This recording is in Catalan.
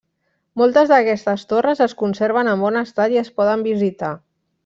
Moltes d'aquestes torres es conserven en bon estat i es poden visitar.